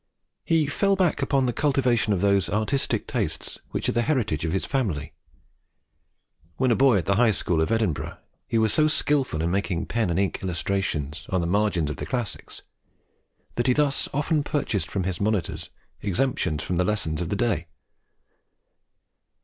He fell back upon the cultivation of those artistic tastes which are the heritage of his family. When a boy at the High School of Edinburgh, he was so skilful in making pen and ink illustrations on the margins of the classics, that he thus often purchased from his monitors exemption from the lessons of the day.